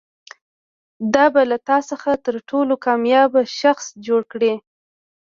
دا به له تا څخه تر ټولو کامیاب شخص جوړ کړي.